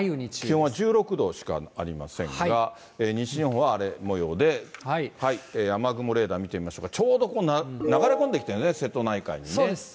気温は１６度しかありませんが、西日本は荒れもようで、雨雲レーダー見てみましょうか、ちょうど流れ込んできてるんですね、そうです。